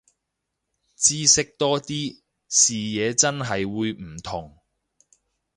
知識多啲，視野真係會唔同